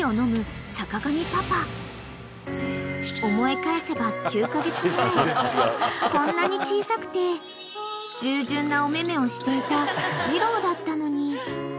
［思い返せば９カ月前こんなに小さくて従順なおめめをしていた２郎だったのに］